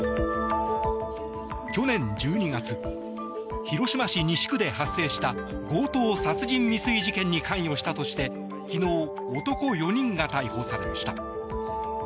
去年１２月広島市西区で発生した強盗殺人未遂事件に関与したとして昨日、男４人が逮捕されました。